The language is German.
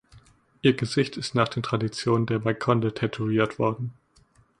Ihr Gesicht ist nach den Traditionen der Makonde tätowiert worden.